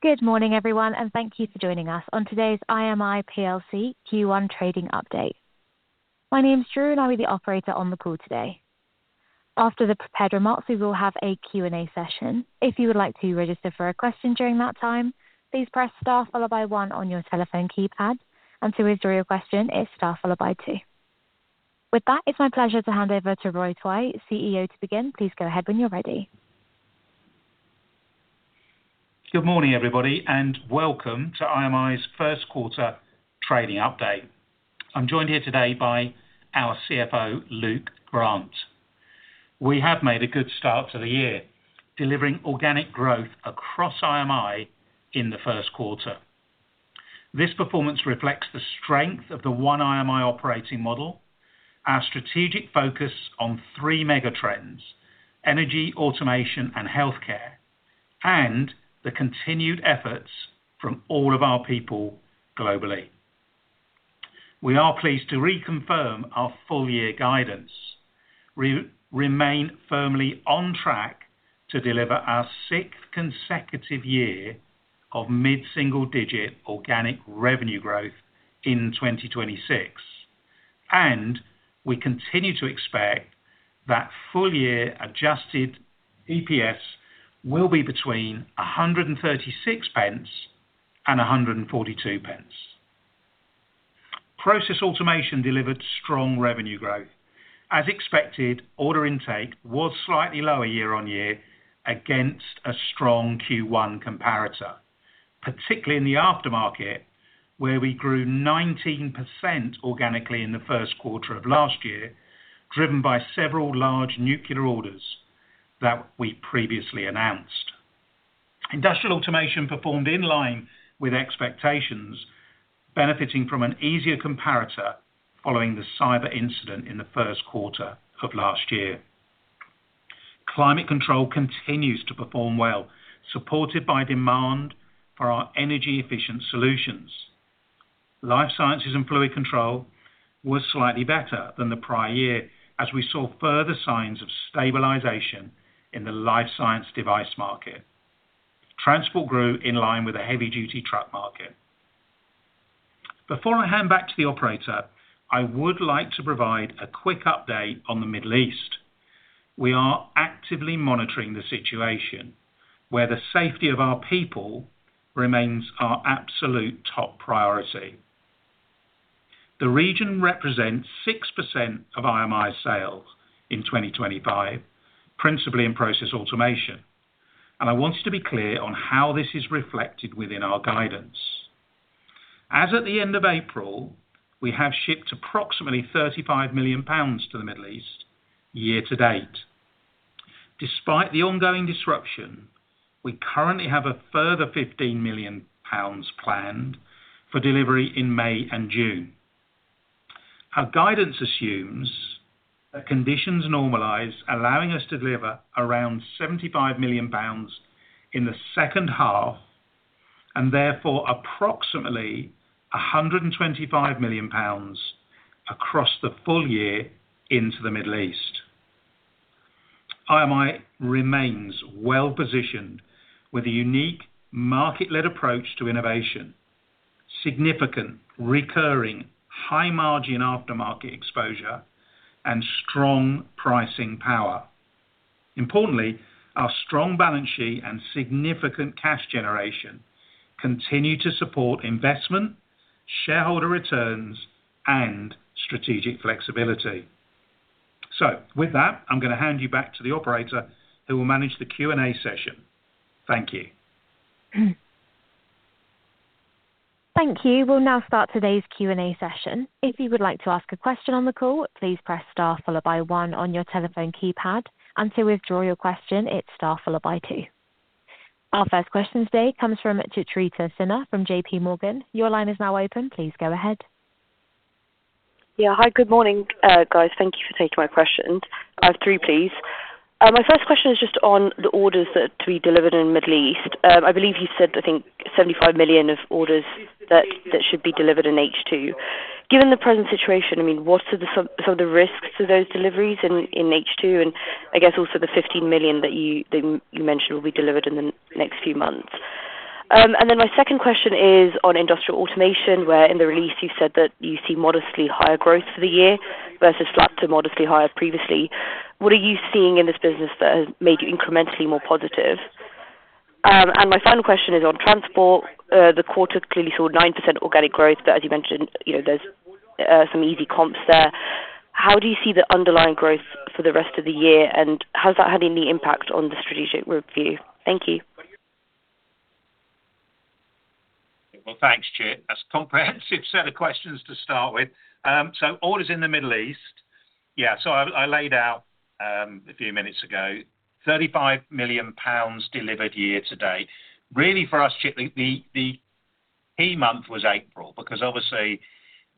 Good morning, everyone, and thank you for joining us on today's IMI plc Q1 trading update. My name's Drew, I'll be the operator on the call today. After the prepared remarks, we will have a Q&A session. If you would like to register for a question during that time, please press star followed by one on your telephone keypad. To withdraw your question, it's star followed by two. With that, it's my pleasure to hand over to Roy Twite, CEO, to begin. Please go ahead when you're ready. Good morning, everybody, welcome to IMI's first quarter trading update. I'm joined here today by our CFO, Luke Grant. We have made a good start to the year, delivering organic growth across IMI in the first quarter. This performance reflects the strength of the One IMI operating model, our strategic focus on three mega trends: energy, automation and healthcare, and the continued efforts from all of our people globally. We are pleased to reconfirm our full year guidance. We remain firmly on track to deliver our sixth consecutive year of mid-single-digit organic revenue growth in 2026, and we continue to expect that full year adjusted EPS will be between 1.36 and 1.42. Process Automation delivered strong revenue growth. As expected, order intake was slightly lower year-on-year against a strong Q1 comparator, particularly in the aftermarket, where we grew 19% organically in the first quarter of last year, driven by several large nuclear orders that we previously announced. Industrial Automation performed in line with expectations, benefiting from an easier comparator following the cyber incident in the first quarter of last year. Climate Control continues to perform well, supported by demand for our energy efficient solutions. Life Science and Fluid Control was slightly better than the prior year as we saw further signs of stabilization in the life science device market. Transport grew in line with a heavy duty truck market. Before I hand back to the operator, I would like to provide a quick update on the Middle East. We are actively monitoring the situation where the safety of our people remains our absolute top priority. The region represents 6% of IMI sales in 2025, principally in Process Automation, and I want to be clear on how this is reflected within our guidance. As at the end of April, we have shipped approximately 35 million pounds to the Middle East year-to-date. Despite the ongoing disruption, we currently have a further 15 million pounds planned for delivery in May and June. Our guidance assumes that conditions normalize, allowing us to deliver around 75 million pounds in the second half, and therefore approximately 125 million pounds across the full year into the Middle East. IMI remains well-positioned with a unique market-led approach to innovation, significant recurring high margin aftermarket exposure and strong pricing power. Importantly, our strong balance sheet and significant cash generation continue to support investment, shareholder returns and strategic flexibility. With that, I'm gonna hand you back to the operator who will manage the Q&A session. Thank you. Thank you. We'll now start today's Q&A session. If you would like to ask a question on the call, please press star followed by one on your telephone keypad. To withdraw your question, it's star followed by two. Our first question today comes from Chitrita Sinha from JPMorgan. Your line is now open. Please go ahead. Hi, good morning, guys. Thank you for taking my questions. I have three, please. My first question is just on the orders that are to be delivered in Middle East. I believe you said, I think 75 million of orders that should be delivered in H2. Given the present situation, I mean, what are some of the risks of those deliveries in H2? I guess also the 15 million that you mentioned will be delivered in the next few months. My second question is on Industrial Automation, where in the release you said that you see modestly higher growth for the year versus flat to modestly higher previously. What are you seeing in this business that has made you incrementally more positive? My final question is on Transport. The quarter clearly saw 9% organic growth, but as you mentioned, you know, there's some easy comps there. How do you see the underlying growth for the rest of the year, and has that had any impact on the strategic review? Thank you. Well, thanks, Chit. That's a comprehensive set of questions to start with. Orders in the Middle East. Yeah, I laid out a few minutes ago, 35 million pounds delivered year-to-date. Really for us, Chit, the key month was April because obviously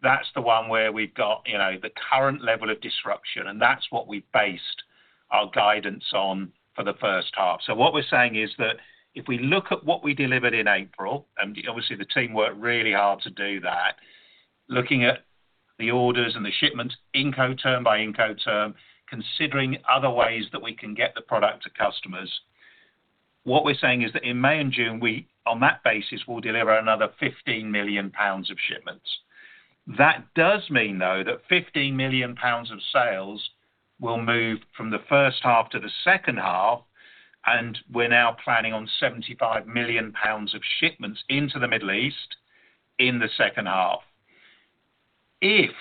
that's the one where we've got, you know, the current level of disruption, and that's what we based our guidance on for the first half. What we're saying is that if we look at what we delivered in April, and obviously the team worked really hard to do that, looking at the orders and the shipments, Incoterm by Incoterm, considering other ways that we can get the product to customers. What we're saying is that in May and June, on that basis, we'll deliver another 15 million pounds of shipments. That does mean, though, that 15 million pounds of sales will move from the first half to the second half, and we're now planning on 75 million pounds of shipments into the Middle East in the second half. If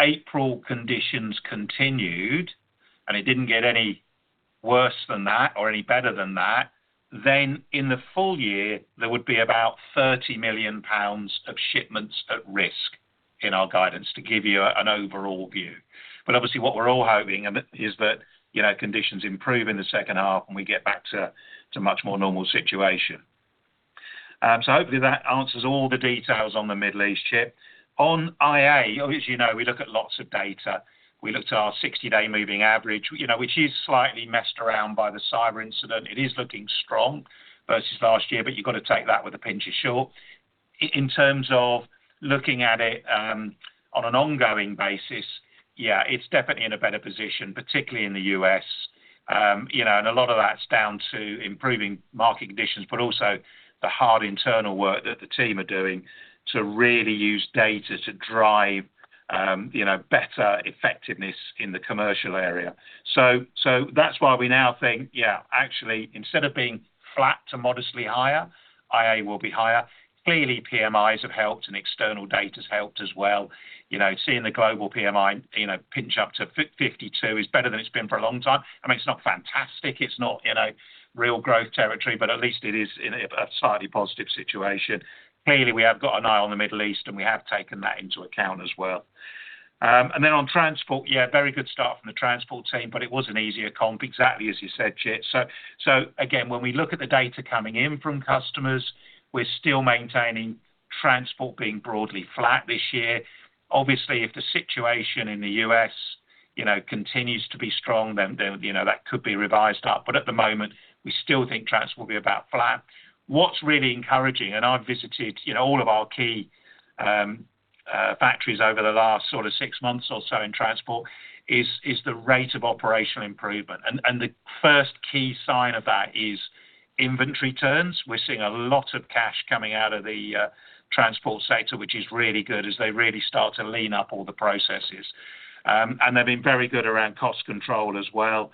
April conditions continued, and it didn't get any worse than that or any better than that, then in the full year there would be about 30 million pounds of shipments at risk in our guidance to give you an overall view. Obviously, what we're all hoping is that, you know, conditions improve in the second half, and we get back to much more normal situation. Hopefully that answers all the details on the Middle East ship. On IA, obviously, you know, we look at lots of data. We looked at our 60-day moving average, you know, which is slightly messed around by the cyber incident. It is looking strong versus last year, but you've got to take that with a pinch of salt. In terms of looking at it, on an ongoing basis, yeah, it's definitely in a better position, particularly in the U.S. You know, a lot of that's down to improving market conditions, but also the hard internal work that the team are doing to really use data to drive, you know, better effectiveness in the commercial area. That's why we now think, yeah, actually, instead of being flat to modestly higher, IA will be higher. Clearly, PMIs have helped and external data's helped as well. You know, seeing the global PMI, you know, pinch up to 52 is better than it's been for a long time. I mean, it's not fantastic. It's not, you know, real growth territory, at least it is in a slightly positive situation. Clearly, we have got an eye on the Middle East, we have taken that into account as well. On Transport, yeah, very good start from the Transport team, it was an easier comp, exactly as you said, Chit. Again, when we look at the data coming in from customers, we're still maintaining Transport being broadly flat this year. Obviously, if the situation in the U.S., you know, continues to be strong, then, you know, that could be revised up. At the moment, we still think Transport will be about flat. What's really encouraging, I've visited, you know, all of our key factories over the last sort of six months or so in Transport, is the rate of operational improvement. The first key sign of that is inventory turns. We're seeing a lot of cash coming out of the Transport sector, which is really good as they really start to lean up all the processes. They've been very good around cost control as well.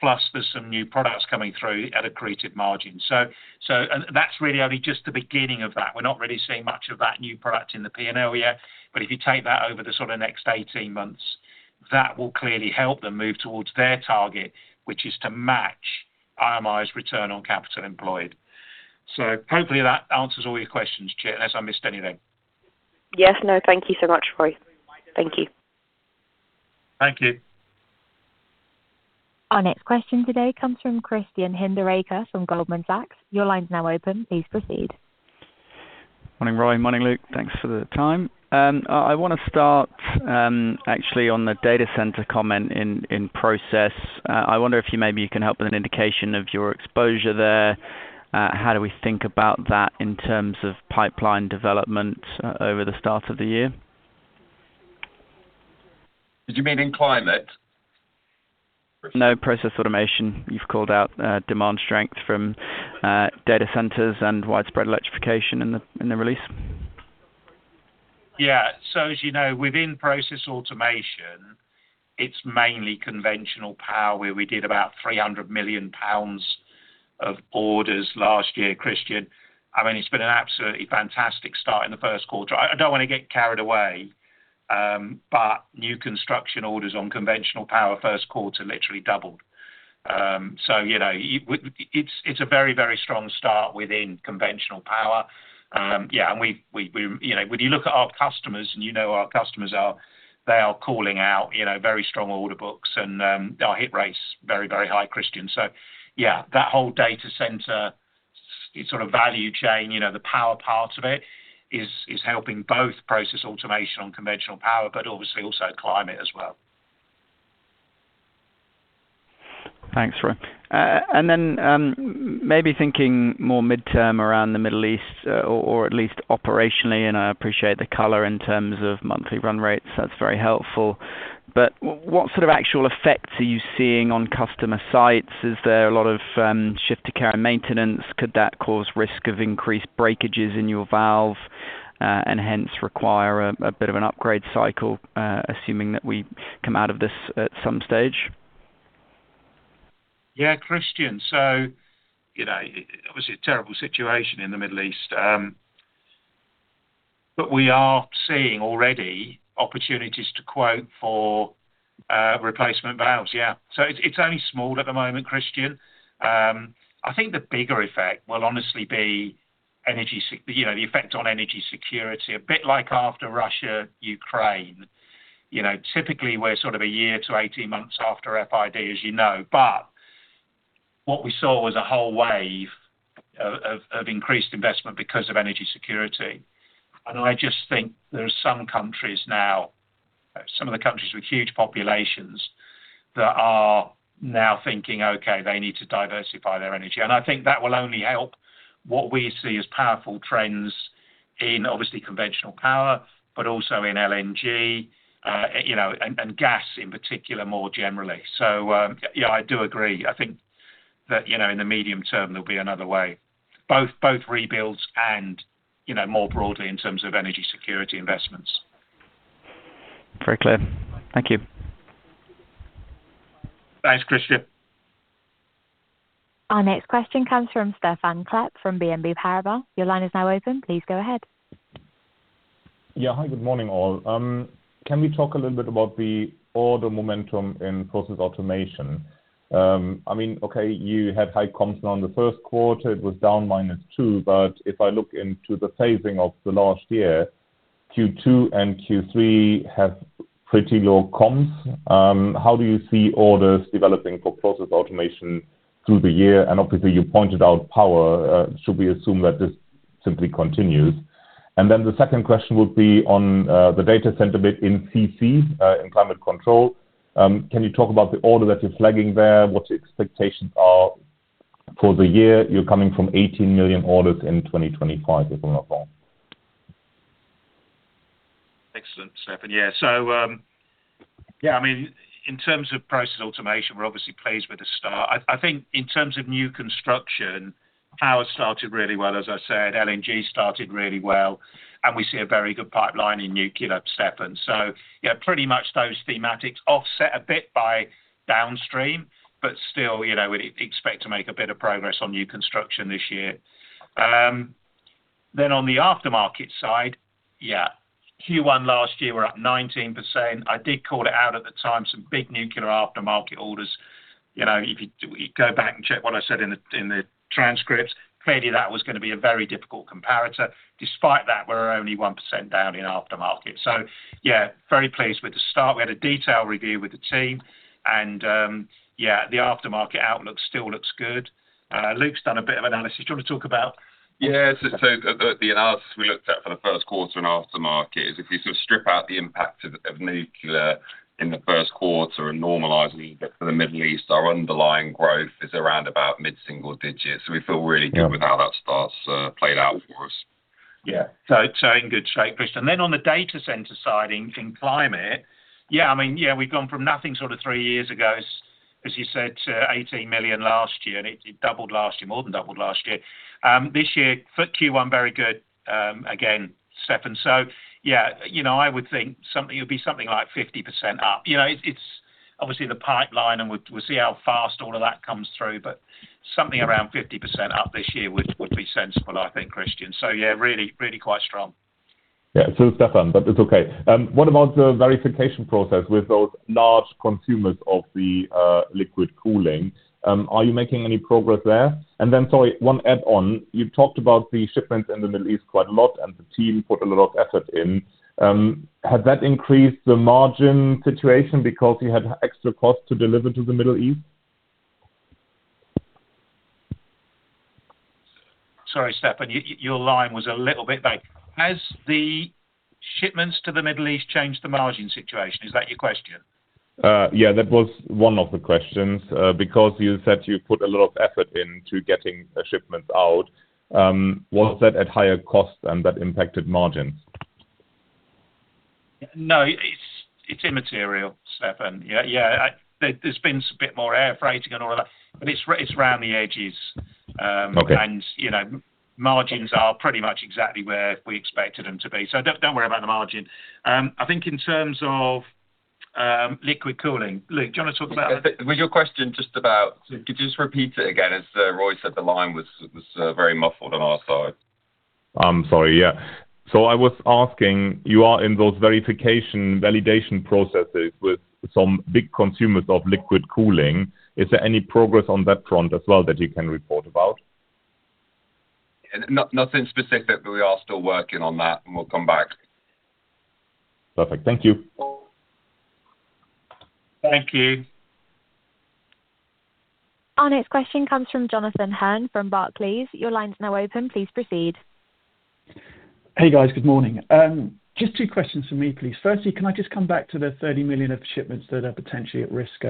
Plus, there's some new products coming through at accretive margin. That's really only just the beginning of that. We're not really seeing much of that new product in the P&L yet. If you take that over the sort of next 18 months, that will clearly help them move towards their target, which is to match IMI's return on capital employed. Hopefully that answers all your questions, Chit, unless I missed anything. Yes. No, thank you so much, Roy. Thank you. Thank you. Our next question today comes from Christian Hinderaker from Goldman Sachs. Your line's now open. Please proceed. Morning, Roy. Morning, Luke. Thanks for the time. I want to start actually on the data center comment in Process. I wonder if you maybe you can help with an indication of your exposure there. How do we think about that in terms of pipeline development over the start of the year? Did you mean in Climate? No, Process Automation. You've called out demand strength from data centers and widespread electrification in the release. Yeah. As you know, within Process Automation, it's mainly conventional power, where we did about 300 million pounds of orders last year, Christian. I mean, it's been an absolutely fantastic start in the first quarter. I don't wanna get carried away, but new construction orders on conventional power first quarter literally doubled. You know, it's a very strong start within conventional power. Yeah, and we, you know, when you look at our customers, and you know our customers are calling out, you know, very strong order books, and our hit rate's very, very high, Christian. Yeah, that whole data center sort of value chain, you know, the power part of it is helping both Process Automation and conventional power, but obviously also Climate as well. Thanks, Roy. maybe thinking more midterm around the Middle East or at least operationally, and I appreciate the color in terms of monthly run rates. That's very helpful. What sort of actual effects are you seeing on customer sites? Is there a lot of shift to care and maintenance? Could that cause risk of increased breakages in your valve, and hence require a bit of an upgrade cycle, assuming that we come out of this at some stage? Christian. You know, obviously a terrible situation in the Middle East. We are seeing already opportunities to quote for replacement valves. It's only small at the moment, Christian. I think the bigger effect will honestly be energy security, a bit like after Russia, Ukraine. You know, typically we're sort of a year to 18 months after FID, as you know. What we saw was a whole wave of increased investment because of energy security. I just think some of the countries with huge populations that are now thinking, okay, they need to diversify their energy. I think that will only help what we see as powerful trends in obviously conventional power, but also in LNG, you know, and gas in particular more generally. Yeah, I do agree. I think that, you know, in the medium term, there'll be another way, both rebuilds and, you know, more broadly in terms of energy security investments. Very clear. Thank you. Thanks, Christian. Our next question comes from Stephan Klepp from BNP Paribas. Your line is now open. Please go ahead. Yeah. Hi, good morning, all. Can we talk a little bit about the order momentum in Process Automation? I mean, okay, you had high comps around the first quarter, it was down -2. If I look into the phasing of the last year, Q2 and Q3 have pretty low comps. How do you see orders developing for Process Automation through the year? Obviously, you pointed out power, should we assume that this simply continues? The second question would be on the data center bit in CC, in Climate Control. Can you talk about the order that you're flagging there? What the expectations are for the year? You're coming from 18 million orders in 2025, if I'm not wrong. Excellent, Stephan. I mean, in terms of Process Automation, we're obviously pleased with the start. I think in terms of new construction, power started really well, as I said. LNG started really well. We see a very good pipeline in nuclear, Stephan. Pretty much those thematics offset a bit by downstream, still, you know, we expect to make a bit of progress on new construction this year. On the aftermarket side, Q1 last year were up 19%. I did call it out at the time, some big nuclear aftermarket orders. You know, if you go back and check what I said in the transcripts, clearly that was gonna be a very difficult comparator. Despite that, we're only 1% down in aftermarket. Very pleased with the start. We had a detail review with the team and, yeah, the aftermarket outlook still looks good. Luke's done a bit of analysis. Do you wanna talk about? Yeah. The analysis we looked at for the first quarter and aftermarket is if you sort of strip out the impact of nuclear in the first quarter and normalize what you get for the Middle East, our underlying growth is around about mid-single digits. We feel really good with how that start played out for us. Yeah. In good shape? Interesting. On the data center side in climate, I mean, we've gone from nothing sort of 3 years ago, as you said, to 18 million last year, and it doubled last year, more than doubled last year. This year, for Q1, very good, again, Stephan. You know, I would think something, it would be something like 50% up. You know, it's obviously the pipeline and we'll see how fast all of that comes through, but something around 50% up this year would be sensible, I think, Christian. Really quite strong. It's Stephan, but it's okay. What about the verification process with those large consumers of the liquid cooling? Are you making any progress there? Sorry, one add on. You've talked about the shipments in the Middle East quite a lot, and the team put a lot of effort in. Has that increased the margin situation because you had extra cost to deliver to the Middle East? Sorry, Stephan, your line was a little bit late. Has the shipments to the Middle East changed the margin situation? Is that your question? Yeah, that was one of the questions. You said you put a lot of effort into getting the shipments out. Was that at higher cost and that impacted margins? No, it's immaterial, Stephan. Yeah, yeah. There's been a bit more air freighting and all of that, but it's round the edges. Okay You know, margins are pretty much exactly where we expected them to be. Don't worry about the margin. I think in terms of liquid cooling, Luke, do you wanna talk about that? Could you just repeat it again, as Roy said the line was very muffled on our side? I'm sorry. Yeah. I was asking, you are in those verification, validation processes with some big consumers of liquid cooling. Is there any progress on that front as well that you can report about? Nothing specific, but we are still working on that. We'll come back. Perfect. Thank you. Thank you. Our next question comes from Jonathan Hurn from Barclays. Your line is now open. Please proceed. Hey, guys. Good morning. Just two questions from me, please. Firstly, can I just come back to the 30 million shipments that are potentially at risk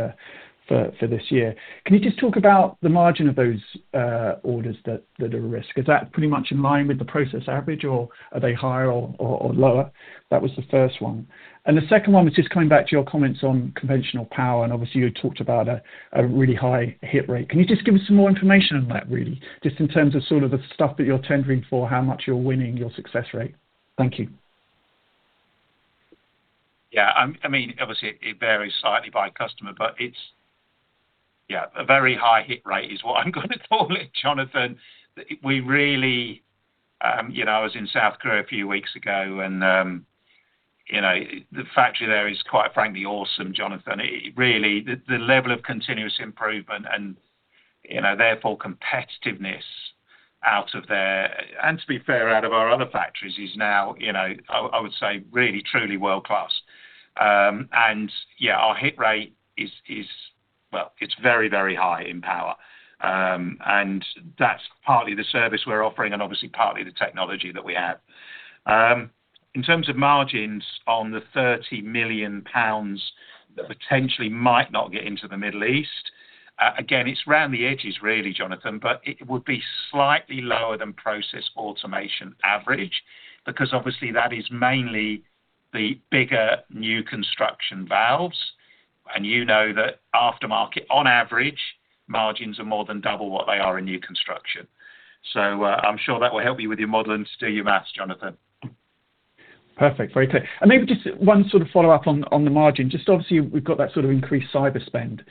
for this year? Can you just talk about the margin of those orders that are at risk? Is that pretty much in line with the process average, or are they higher or lower? That was the first one. The second one was just coming back to your comments on conventional power, and obviously you had talked about a really high hit rate. Can you just give me some more information on that, really? Just in terms of sort of the stuff that you're tendering for, how much you're winning, your success rate. Thank you. Yeah. I mean, obviously it varies slightly by customer, but it's, yeah, a very high hit rate is what I'm gonna call it, Jonathan. We really, you know, I was in South Korea a few weeks ago and, you know, the factory there is, quite frankly, awesome, Jonathan. Really, the level of continuous improvement and, you know, therefore competitiveness out of there, and to be fair, out of our other factories is now, you know, I would say really truly world-class. Yeah, our hit rate is. Well, it's very, very high in power. That's partly the service we're offering and obviously partly the technology that we have. In terms of margins on the 30 million pounds that potentially might not get into the Middle East, again, it's round the edges really, Jonathan, but it would be slightly lower than Process Automation average because obviously, that is mainly the bigger new construction valves. You know that aftermarket on average margins are more than double what they are in new construction. I'm sure that will help you with your modeling to do your maths, Jonathan. Perfect. Very clear. Maybe just one sort of follow-up on the margin. Just obviously we've got that sort of increased cyber spend,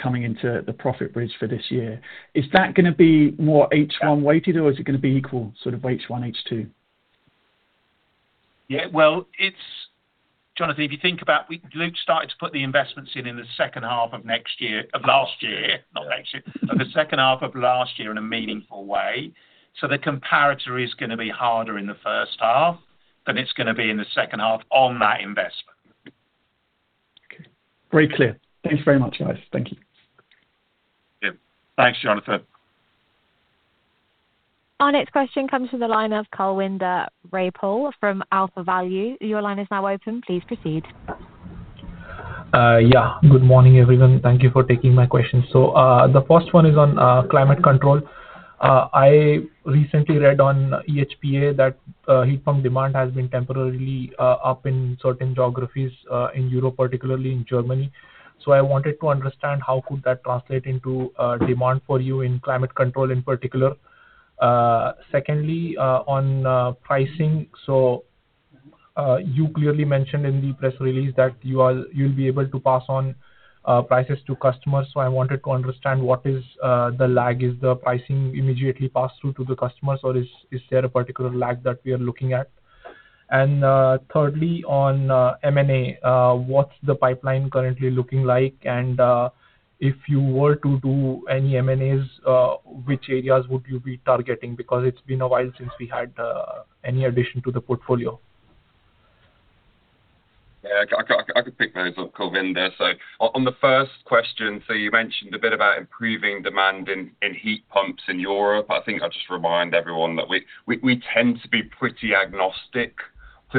coming into the profit bridge for this year. Is that gonna be more H1 weighted or is it gonna be equal sort of H1, H2? Yeah. Well, Jonathan, if you think about Luke started to put the investments in the second half of last year, not next year, of the second half of last year in a meaningful way. The comparator is going to be harder in the first half than it's going to be in the second half on that investment. Okay. Very clear. Thanks very much, guys. Thank you. Yeah. Thanks, Jonathan. Our next question comes from the line of Kulwinder Rajpal from AlphaValue. Your line is now open. Please proceed. Yeah. Good morning, everyone. Thank you for taking my question. The first one is on Climate Control. I recently read on EHPA that heat pump demand has been temporarily up in certain geographies in Europe, particularly in Germany. I wanted to understand how could that translate into demand for you in Climate Control in particular. Secondly, on pricing. You clearly mentioned in the press release that you'll be able to pass on prices to customers. I wanted to understand what is the lag? Is the pricing immediately passed through to the customers or is there a particular lag that we are looking at? Thirdly, on M&A, what's the pipeline currently looking like? If you were to do any M&As, which areas would you be targeting? It's been a while since we had any addition to the portfolio. I could pick those up, Kulwinder. On the first question, you mentioned a bit about improving demand in heat pumps in Europe. I think I'll just remind everyone that we tend to be pretty agnostic to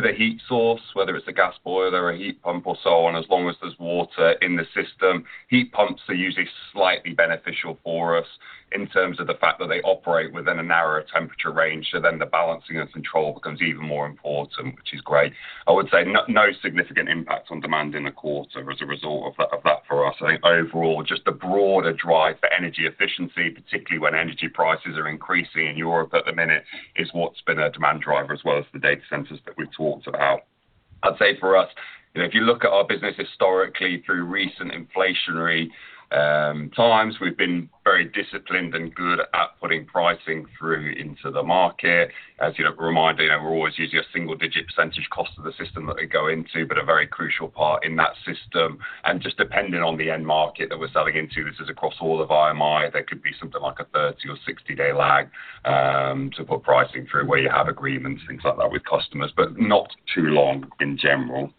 the heat source, whether it's a gas boiler or a heat pump or so on, as long as there's water in the system. Heat pumps are usually slightly beneficial for us in terms of the fact that they operate within a narrower temperature range, the balancing and control becomes even more important, which is great. I would say no significant impact on demand in the quarter as a result of that for us. I think overall, just the broader drive for energy efficiency, particularly when energy prices are increasing in Europe at the minute, is what's been a demand driver as well as the data centers that we've talked about. I'd say for us, you know, if you look at our business historically through recent inflationary times, we've been very disciplined and good at putting pricing through into the market. As, you know, a reminder, you know, we're always usually a single-digit percentage cost of the system that we go into, but a very crucial part in that system. Just depending on the end market that we're selling into, this is across all of IMI, there could be something like a 30 or 60-day lag to put pricing through where you have agreements, things like that, with customers, but not too long in general.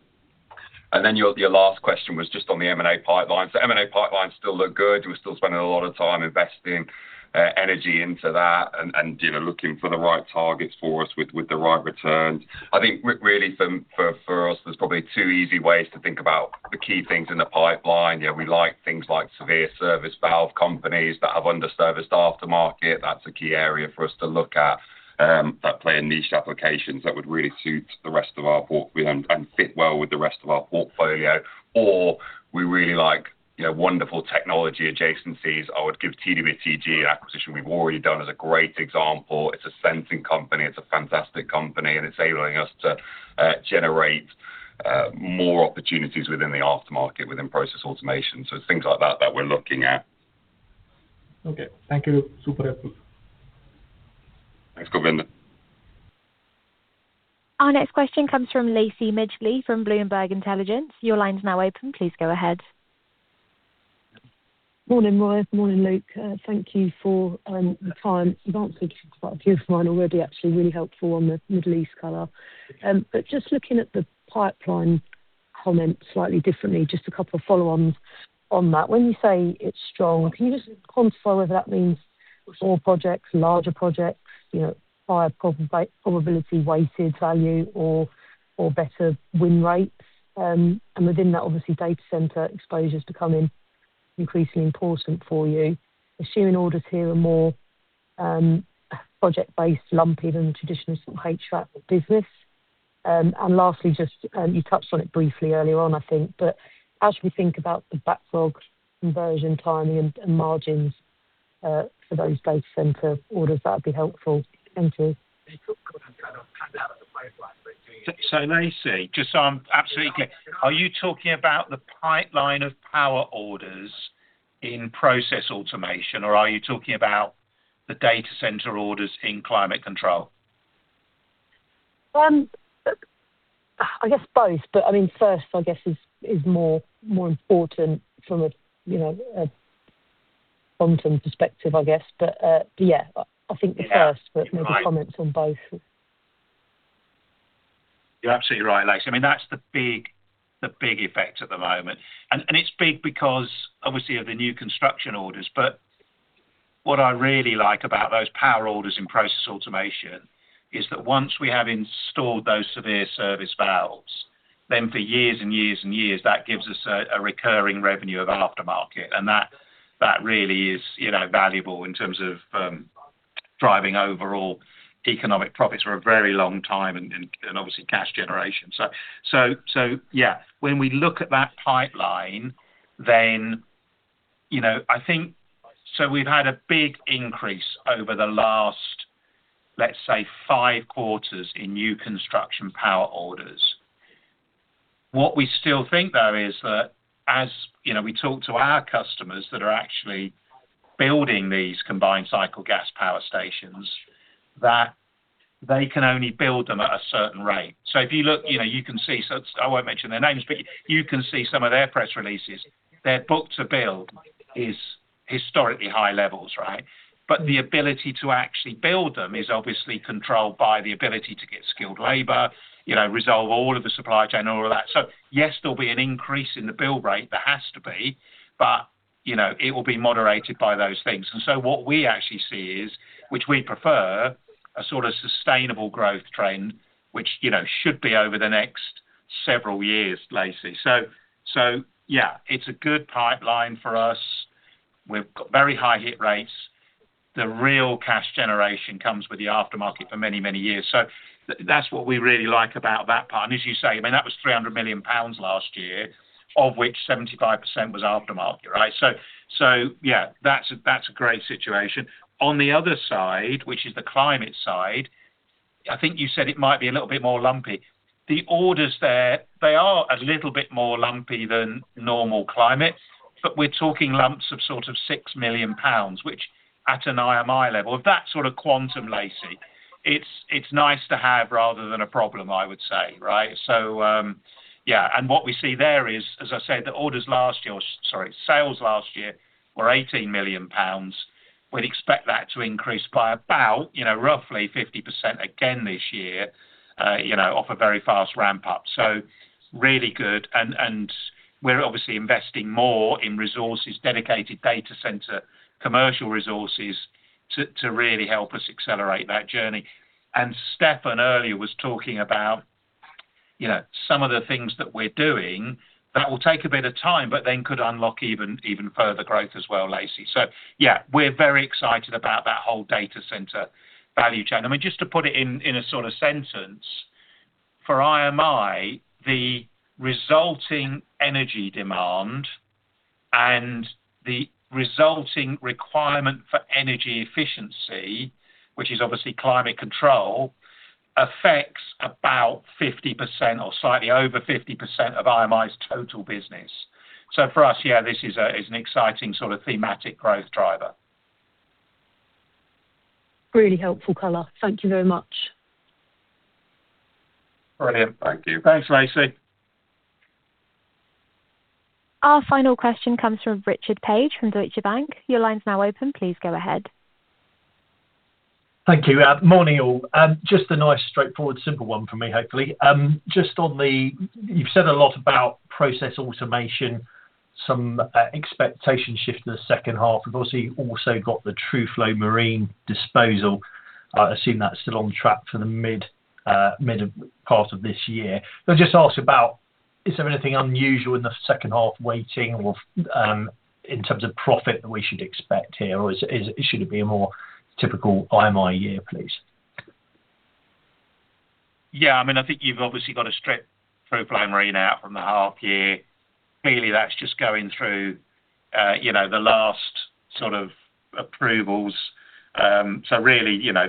Your last question was just on the M&A pipeline. M&A pipeline still look good. We're still spending a lot of time investing energy into that and, you know, looking for the right targets for us with the right returns. I think really for us, there's probably two easy ways to think about the key things in the pipeline. You know, we like things like severe service valve companies that have underserviced aftermarket. That's a key area for us to look at, that play in niche applications that would really suit the rest of our portfolio. We really like, you know, wonderful technology adjacencies. I would give TWTG acquisition we've already done as a great example. It's a sensing company, it's a fantastic company, and it's enabling us to generate more opportunities within the aftermarket, within Process Automation. It's things like that that we're looking at. Okay. Thank you. Super helpful. Thanks, Kulwinder. Our next question comes from Lacie Midgley from Bloomberg Intelligence. Your line is now open. Please go ahead. Morning, Roy. Morning, Luke. Thank you for the time. You've answered quite a few of mine already, actually. Really helpful on the Middle East color. Just looking at the pipeline comment slightly differently, just a couple of follow-ons on that. When you say it's strong, can you just quantify whether that means more projects, larger projects, you know, higher probability weighted value or better win rates? Within that, obviously data center exposure's becoming increasingly important for you. Assuming orders here are more project-based lumpy than the traditional sort of H contract business. Lastly, just you touched on it briefly earlier on, I think, but as we think about the backlog conversion timing and margins for those data center orders, that would be helpful. Thank you. Lacie, just so I'm absolutely clear, are you talking about the pipeline of power orders in Process Automation, or are you talking about the data center orders in Climate Control? I guess both, but I mean, first, I guess, is more important from a, you know, a front end perspective, I guess. Yeah. Maybe comment on both. You're absolutely right, Lacie. I mean, that's the big effect at the moment. It's big because obviously of the new construction orders. What I really like about those power orders in Process Automation is that once we have installed those severe service valves, then for years and years and years, that gives us a recurring revenue of aftermarket. That really is, you know, valuable in terms of driving overall economic profits for a very long time and obviously cash generation. Yeah, when we look at that pipeline then, you know, I think we've had a big increase over the last, let's say, five quarters in new construction power orders. What we still think though is that as, you know, we talk to our customers that are actually building these combined cycle gas power stations, that they can only build them at a certain rate. If you look, you know, you can see, I won't mention their names, but you can see some of their press releases. Their book-to-bill is historically high levels, right? The ability to actually build them is obviously controlled by the ability to get skilled labor, you know, resolve all of the supply chain, all of that. Yes, there'll be an increase in the build rate. There has to be. You know, it will be moderated by those things. What we actually see is, which we prefer, a sort of sustainable growth trend, which, you know, should be over the next several years, Lacie. Yeah, it's a good pipeline for us. We've got very high hit rates. The real cash generation comes with the aftermarket for many years. That's what we really like about that part. As you say, I mean, that was 300 million pounds last year, of which 75% was aftermarket, right? Yeah, that's a great situation. On the other side, which is the Climate side, I think you said it might be a little bit more lumpy. The orders there, they are a little bit more lumpy than normal Climate, but we're talking lumps of sort of 6 million pounds, which at an IMI level, at that sort of quantum, Lacie, it's nice to have rather than a problem, I would say. Right? Yeah. What we see there is, as I said, the orders last year Sorry, sales last year were 18 million pounds. We'd expect that to increase by about, you know, roughly 50% again this year, you know, off a very fast ramp-up. Really good and we're obviously investing more in resources, dedicated data center commercial resources to really help us accelerate that journey. Stephan earlier was talking about, you know, some of the things that we're doing that will take a bit of time, but then could unlock even further growth as well, Lacie. Yeah, we're very excited about that whole data center value chain. I mean, just to put it in a sort of sentence, for IMI, the resulting energy demand and the resulting requirement for energy efficiency, which is obviously Climate Control, affects about 50% or slightly over 50% of IMI's total business. For us, yeah, this is an exciting sort of thematic growth driver. Really helpful color. Thank you very much. Brilliant. Thank you. Thanks, Lacie. Our final question comes from Richard Page from Deutsche Bank. Your line's now open. Please go ahead. Thank you. Morning, all. Just a nice straightforward, simple one from me, hopefully. Just on the You've said a lot about Process Automation, some expectation shift in the second half. You've obviously also got the Truflo Marine disposal. I assume that's still on track for the mid part of this year. I'll just ask about, is there anything unusual in the second half waiting or, in terms of profit that we should expect here? Or should it be a more typical IMI year, please? Yeah, I mean, I think you've obviously got to strip Truflo Marine out from the half year. Clearly, that's just going through, you know, the last sort of approvals. Really, you know,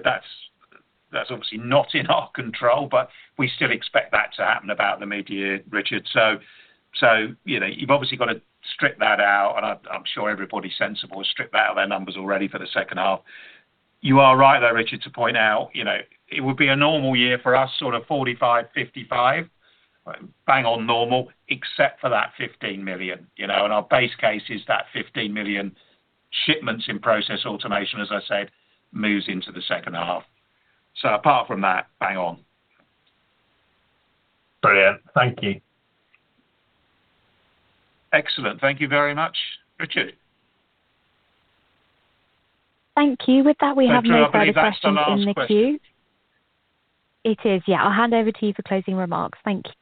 that's obviously not in our control, but we still expect that to happen about the midyear, Richard. You know, you've obviously got to strip that out, and I'm sure everybody sensible has stripped that out of their numbers already for the second half. You are right though, Richard, to point out, you know, it would be a normal year for us, sort of 45, 55, bang on normal, except for that 15 million, you know. Our base case is that 15 million shipments in Process Automation, as I said, moves into the second half. Apart from that, bang on. Brilliant. Thank you. Excellent. Thank you very much, Richard. Thank you. With that, we have no further questions. Thanks, Drew. I believe that's the last question. in the queue. It is, yeah. I'll hand over to you for closing remarks. Thank you.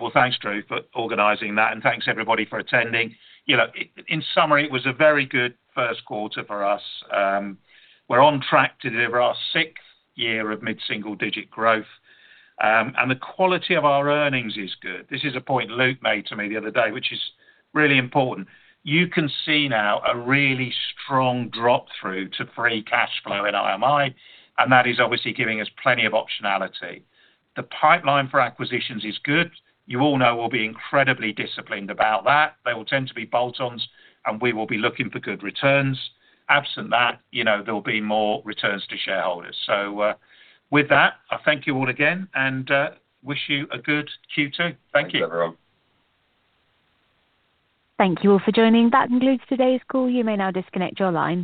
Well, thanks, Drew, for organizing that, and thanks everybody for attending. You know, in summary, it was a very good first quarter for us. We're on track to deliver our sixth year of mid-single digit growth. The quality of our earnings is good. This is a point Luke made to me the other day, which is really important. You can see now a really strong drop through to free cash flow in IMI, and that is obviously giving us plenty of optionality. The pipeline for acquisitions is good. You all know we'll be incredibly disciplined about that. They will tend to be bolt-ons, and we will be looking for good returns. Absent that, you know, there'll be more returns to shareholders. With that, I thank you all again and wish you a good Q2. Thank you. Thanks, everyone. Thank you all for joining. That concludes today's call. You may now disconnect your lines.